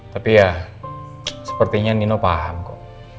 tapi ya sepertinya nino paham kok